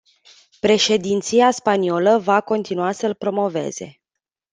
Președinția spaniolă va continua să-l promoveze.